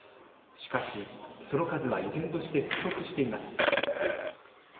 しかしその数は依然として不足しています。